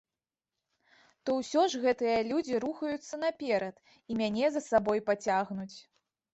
То ўсё ж гэтыя людзі рухаюцца наперад, і мяне за сабой пацягнуць.